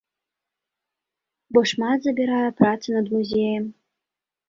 Бо шмат забірае праца над музеем.